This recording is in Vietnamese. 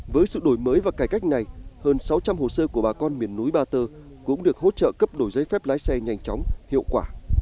với sự đổi mới và cải cách này hơn sáu trăm linh hồ sơ của bà con miền núi ba tơ cũng được hỗ trợ cấp đổi giấy phép lái xe nhanh chóng hiệu quả